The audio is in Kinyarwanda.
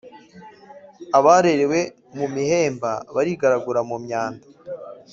abarerewe mu mihemba, barigaragura mu myanda.